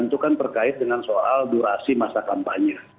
dan itu kan berkait dengan soal durasi masa kampanye